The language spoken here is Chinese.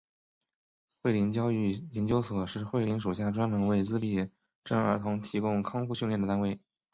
慧灵教育研究所是慧灵属下专门为自闭症儿童提供康复训练的单位。